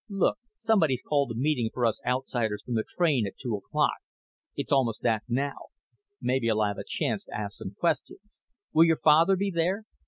Look, somebody's called a meeting for us outsiders from the train at two o'clock. It's almost that now. Maybe I'll have a chance to ask some questions. Will your father be there?"